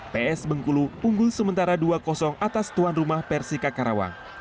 ps bengkulu unggul sementara dua atas tuan rumah persika karawang